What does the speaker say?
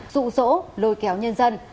rụ rỗ lôi kéo nhân dân